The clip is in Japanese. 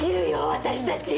私たち。